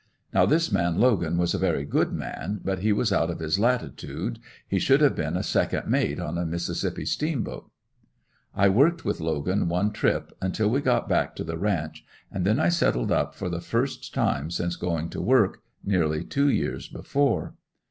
Now this man Logan was a very good man but he was out of his latitude, he should have been a second mate on a Mississippi steamboat. I worked with Logan one trip, until we got back to the ranch and then I settled up for the first time since going to work, nearly two years before.